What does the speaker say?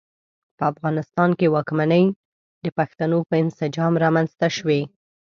په افغانستان کې واکمنۍ د پښتنو په انسجام رامنځته شوې.